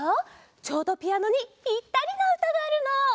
ちょうどピアノにぴったりなうたがあるの！